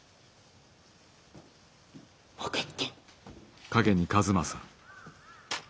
分かった。